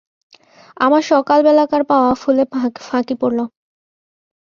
আমার সকালবেলাকার পাওয়া ফুলে ফাঁকি পড়ল।